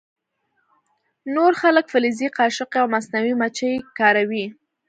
نور خلک فلزي قاشقې او مصنوعي مچۍ کاروي